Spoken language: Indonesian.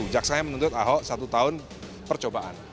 jaksanya menuntut ahok satu tahun percobaan